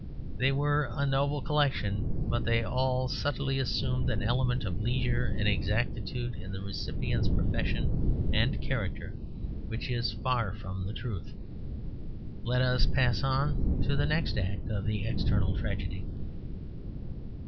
They were a noble collection; but they all subtly assumed an element of leisure and exactitude in the recipient's profession and character which is far from the truth. Let us pass on to the next act of the external tragedy.